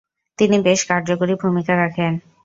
তিনি বেশ কার্যকরী ভূমিকা রাখেন।